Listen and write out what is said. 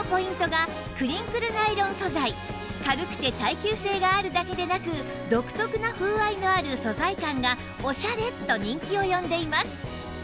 軽くて耐久性があるだけでなく独特な風合いのある素材感がオシャレと人気を呼んでいます